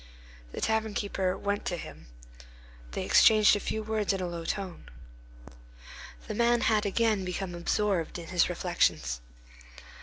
The tavern keeper went to him. They exchanged a few words in a low tone. The man had again become absorbed in his reflections.